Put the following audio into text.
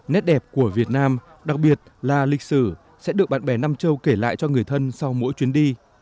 nét đẹp của việt nam đặc biệt là lịch sử sẽ được bạn bè nam châu kể lại cho người thân sau mỗi chuyến đi